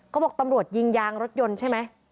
เขาบอกตำรวจยิงยางรถยนต์ใช่ไหม